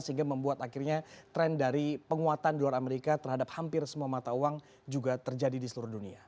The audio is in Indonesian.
sehingga membuat akhirnya tren dari penguatan dolar amerika terhadap hampir semua mata uang juga terjadi di seluruh dunia